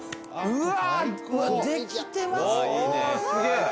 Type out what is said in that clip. うわ